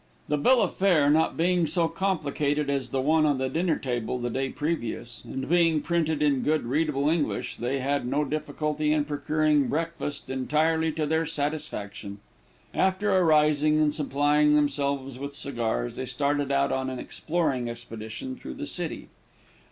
The bill of fare not being so complicated as the one on the dinner table the day previous, and being printed in good readable English, they had no difficulty in procuring breakfast entirely to their satisfaction. After arising, and supplying themselves with cigars, they started out on an exploring expedition through the city.